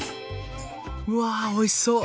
うわおいしそう！